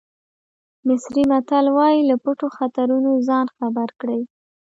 مصري متل وایي له پټو خطرونو ځان خبر کړئ.